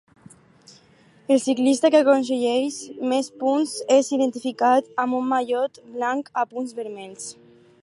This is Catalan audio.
El ciclista que aconsegueix més punts és identificat amb un mallot blanc a punts vermells.